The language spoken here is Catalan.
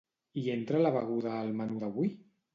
Hi entra la beguda al menú d'avui?